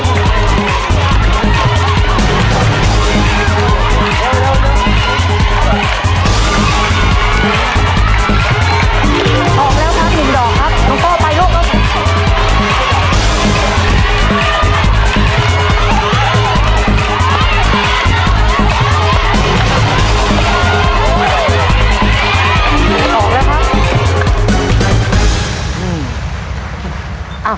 ออกแล้วครับหนุ่มดอกครับน้องพ่อไปร่วมแล้ว